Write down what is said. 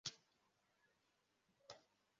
Umugore uturutse inyuma ahagaze kumuhanda